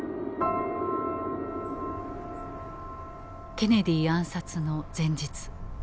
ケネディ暗殺の前日。